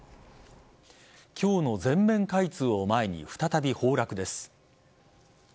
今日の全面開通を前に再び崩落です。